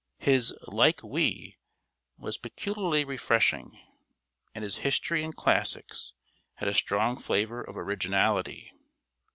His "like we" was peculiarly refreshing, and his history and classics had a strong flavor of originality.